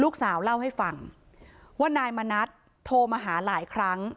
เล่าให้ฟังว่านายมณัฐโทรมาหาหลายครั้ง